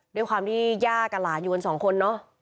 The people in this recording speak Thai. ด้วยความที่หญ้ากับหลานอยู่กันสองคน